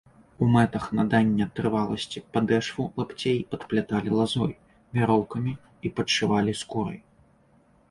У мэтах надання трываласці падэшву лапцей падпляталі лазой, вяроўкамі і падшывалі скурай.